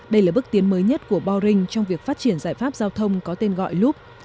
đây là bước tiến mới nhất của boring trong việc phát triển giải pháp giao thông có tên gọi loop